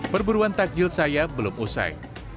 perburuan takjil saya belum usai